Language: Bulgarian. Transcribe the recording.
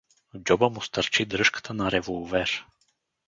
В джоба му стърчи дръжката на револвер.